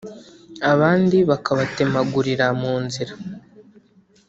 abandi bakabatemagurira mu nzira